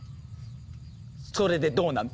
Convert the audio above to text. それでどうなの？